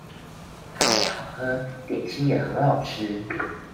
咖啡好喝，點心也很好吃